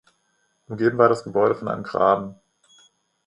Umgeben war das Gebäude von einem Graben.